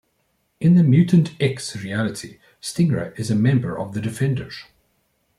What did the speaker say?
In the "Mutant X" reality, Stingray is a member of the Defenders.